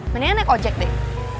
mendingan naik ojek deh